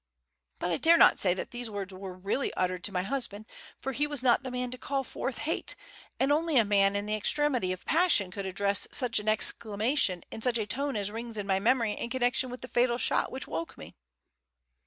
But I dare not say that these words were really uttered to my husband, for he was not the man to call forth hate, and only a man in the extremity of passion could address such an exclamation in such a tone as rings in my memory in connection with the fatal shot which woke me."